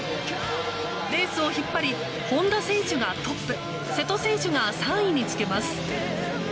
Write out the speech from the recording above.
レースを引っ張り本多選手がトップ瀬戸選手が３位につけます。